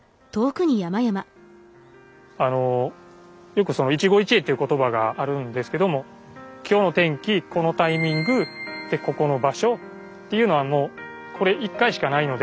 あのよくその一期一会って言葉があるんですけども今日の天気このタイミングでここの場所というのはもうこれ１回しかないので。